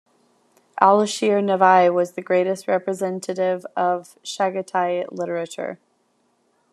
Ali-Shir Nava'i was the greatest representative of Chagatai literature.